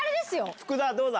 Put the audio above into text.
福田、どうだ？